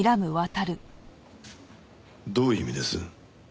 どういう意味です？